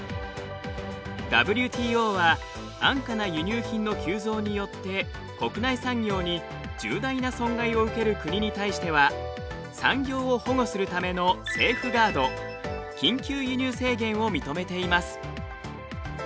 ＷＴＯは安価な輸入品の急増によって国内産業に重大な損害を受ける国に対しては産業を保護するためのを認めています。